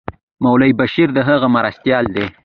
مولوي بشیر د هغه مرستیال دی.